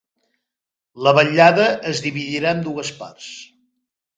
La vetllada es dividirà en dues parts.